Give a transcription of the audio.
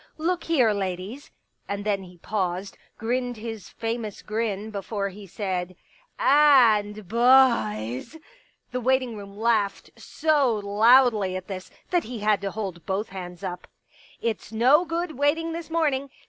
" Look here, ladies " and then he paused, grinned his famous grin before he said —" and bhoys.'^ The waiting room laughed so loudly at this that he had to hold both hands up. " It's no good waiting this morning.